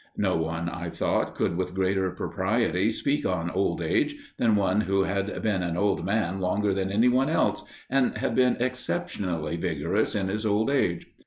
No one, I thought, could with greater propriety speak on old age than one who had been an old man longer than any one else, and had been exceptionally vigorous in his old age.